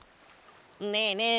ねえねえ